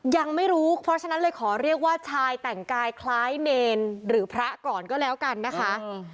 ยังไม่รู้เพราะฉะนั้นเลยขอเรียกว่าชายแต่งกายคล้ายเนรหรือพระก่อนก็แล้วกันนะคะ